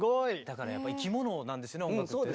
だからやっぱり生き物なんですね音楽ってね。